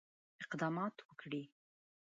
اقدامات وکړي.